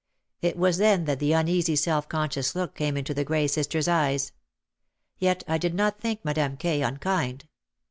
It was then that the uneasy self conscious look came into the grey sister's eyes. Yet I did not think Madame K. unkind.